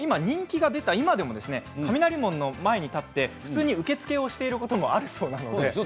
しかも今人気が出た今でも雷門の前に立って普通に受け付けをしていることもあるそうなので。